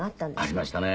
ありましたね。